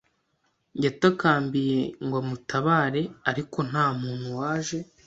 Yatakambiye ngo amutabare, ariko nta muntu waje.